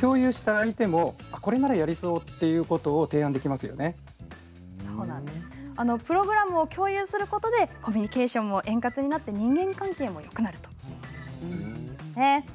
共有した相手もプログラムを共有することでコミュニケーションが円滑になって人間関係もよくなるということです。